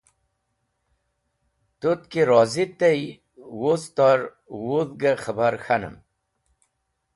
Tut ki rozi tey wuz tor wudhgẽ khẽbar k̃hanẽm.